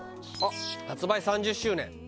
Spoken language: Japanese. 発売３０周年。